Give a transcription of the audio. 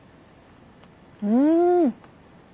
うん！